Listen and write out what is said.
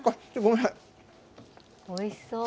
おいしそう。